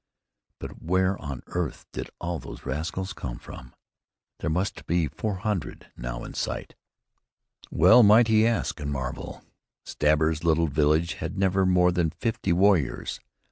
But where on earth did all these rascals come from? There must be four hundred now in sight." Well might he ask and marvel! Stabber's little village had never more than fifty warriors.